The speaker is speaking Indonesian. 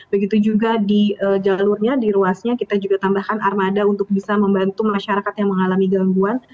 begitu juga di jalurnya di ruasnya kita juga tambahkan armada untuk bisa membantu masyarakat yang mengalami gangguan